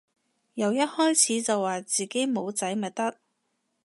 由一開始就話自己冇仔咪得